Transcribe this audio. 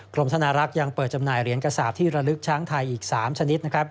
กรมธนรักยังเปิดจำหน่ายเหรียญกระสาปที่ระลึกช้างไทยอีก๓ชนิด